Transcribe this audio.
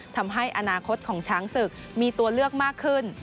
ทำให้อนาคตของช้างศึกมีตัวเลือกมากขึ้น